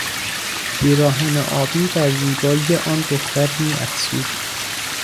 پیراهن آبی بر زیبایی آن دختر میافزود.